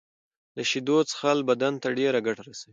د شېدو څښل بدن ته ډيره ګټه رسوي.